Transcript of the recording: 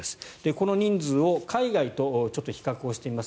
この人数を海外と比較してみます。